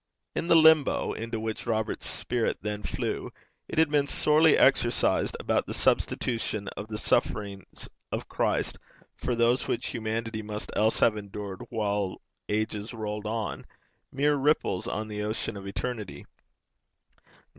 In the Limbo into which Robert's then spirit flew, it had been sorely exercised about the substitution of the sufferings of Christ for those which humanity must else have endured while ages rolled on mere ripples on the ocean of eternity.